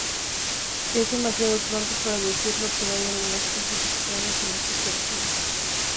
Es demasiado pronto para decirlo, pero hay algunas cosas extrañas en estas canciones".